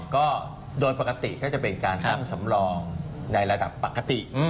ก็โดยปกติก็จะเป็นการตั้งสำรองในระดับปกติ